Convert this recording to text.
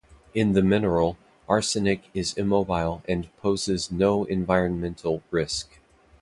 In the mineral, arsenic is immobile and poses no environmental risk.